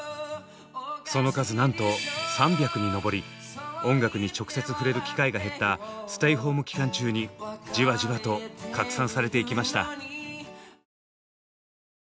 その数なんと３００に上り音楽に直接触れる機会が減ったステイホーム期間中にじわじわと拡散されていきました。